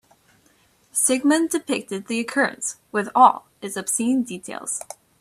Sigmund depicted the occurrence with all its obscene details.